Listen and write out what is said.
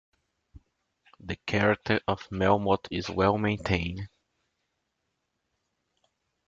The character of Melmotte is well maintained.